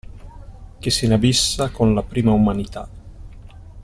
Che s'inabissa con la prima umanità.